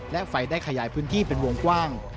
และไฟได้ขยายพื้นที่เป็นวงกว้าง